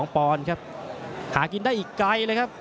ปอนด์ครับหากินได้อีกไกลเลยครับ